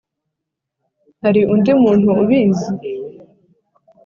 hari undi muntu ubizi?